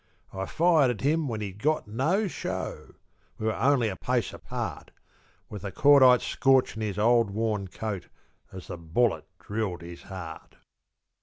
I fired at him when he'd got no show; We were only a pace apart, With the cordite scorchin' his old worn coat As the bullet drilled his heart.